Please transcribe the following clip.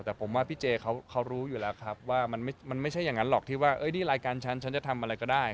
แต่ผมว่าพี่เจเขารู้อยู่แล้วครับว่ามันไม่ใช่อย่างนั้นหรอกที่ว่านี่รายการฉันฉันจะทำอะไรก็ได้